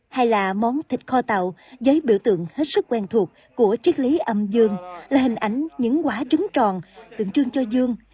hay là món thịt kho tàu với biểu tượng hết sức quen thuộc của triết lý âm dương là hình ảnh những quả trứng tròn tượng trưng cho dương